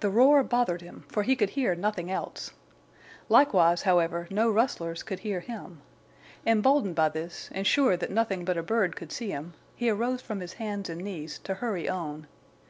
The roar bothered him, for he could hear nothing else. Likewise, however, no rustlers could hear him. Emboldened by this and sure that nothing but a bird could see him, he arose from his hands and knees to hurry on.